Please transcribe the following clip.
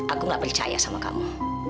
aku gak percaya sama kamu